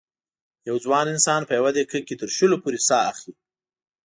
یو ځوان انسان په یوه دقیقه کې تر شلو پورې سا اخلي.